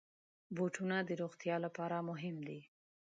بوټونه د روغتیا لپاره مهم دي.